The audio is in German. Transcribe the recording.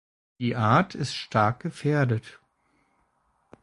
Die Art ist stark gefährdet.